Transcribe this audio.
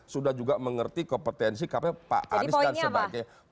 sudah juga mengerti kompetensi pak anies dan sebagainya